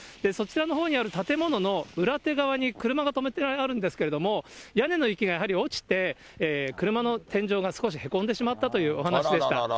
そちらのほうにある建物の裏手側に車が止めてあるんですけれども、屋根の雪がやはり落ちて、車の天井が少しへこんでしまったというお話しでした。